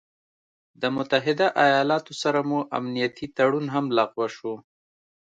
د متحده ايالاتو سره مو امنيتي تړون هم لغوه شو